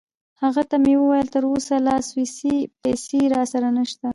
هغه ته مې وویل: تراوسه لا سویسی پیسې راسره نشته.